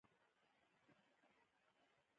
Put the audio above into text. ګازونه د فشار سره حساس دي.